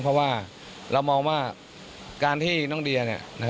เพราะว่าเรามองว่าการที่น้องเดีย